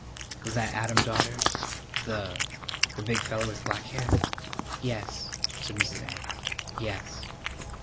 "Was that Adam, daughter? The the big feller with black hair?" "Yes," said Mrs. Egg; "yes."